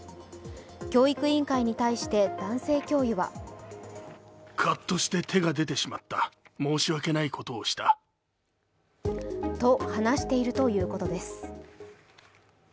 教育委員会に対して男性教諭はと話しているということです。